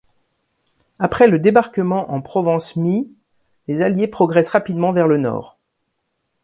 Après le débarquement en Provence mi-, les Alliés progressent rapidement vers le nord.